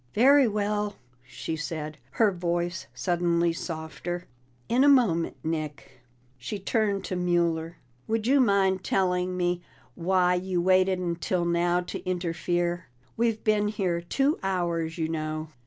"Very well," she said, her voice suddenly softer. "In a moment, Nick." She turned to Mueller. "Would you mind telling me why you waited until now to interfere? We've been here two hours, you know."